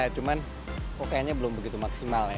cuman kok kayaknya belum begitu maksimal ya